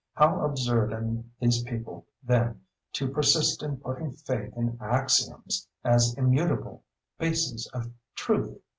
How absurd in these people, then, to persist in putting faith in "axioms" as immutable bases of Truth!